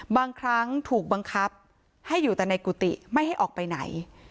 บางครั้งถูกบังคับให้อยู่แต่ในกุฏิไม่ให้ออกไปไหน